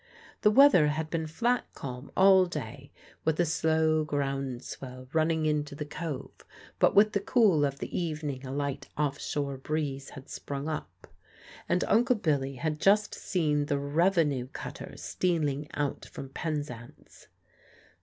The weather had been flat calm all day, with a slow ground swell running into the cove, but with the cool of the evening a light off shore breeze had sprung up, and Uncle Billy had just seen the Revenue cutter stealing out from Penzance.